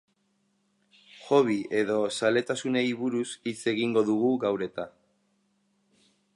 Hobby edo zaletasunei buruz hitz egingo dugu gaur eta.